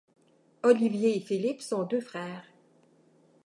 Olivier et Philippe sont deux frères.